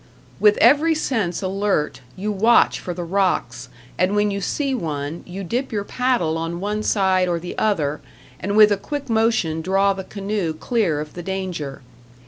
With every sense alert, you watch for the rocks, and when you see one, you dip your paddle on one side or the other and with a quick motion draw the canoe clear of the danger.